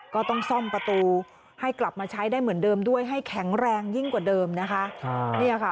ก็ต้องซ่อมประตูให้กลับมาใช้ได้เหมือนเดิมด้วยให้แข็งแรงยิ่งกว่าเดิมนะคะ